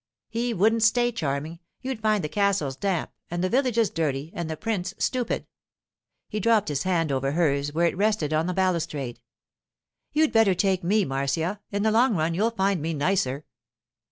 'He wouldn't stay charming. You'd find the castles damp, and the villages dirty, and the prince stupid.' He dropped his hand over hers where it rested on the balustrade. 'You'd better take me, Marcia; in the long run you'll find me nicer.